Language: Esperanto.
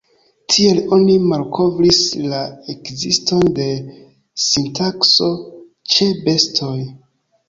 Tiel oni malkovris la ekziston de sintakso ĉe bestoj.